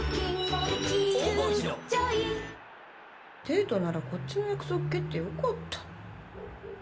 デートならこっちの約束蹴ってよかったのに。